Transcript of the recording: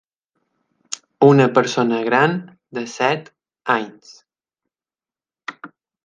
Una persona gran de set anys.